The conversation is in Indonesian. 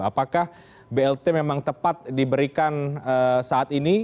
apakah blt memang tepat diberikan saat ini